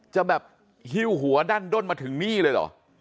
จะแบบหิ้วหัวดั้นด้นมาถึงนี่เลยเหรอ